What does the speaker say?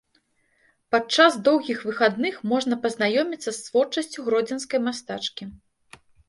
Падчас доўгіх выхадных можна пазнаёміцца з творчасцю гродзенскай мастачкі.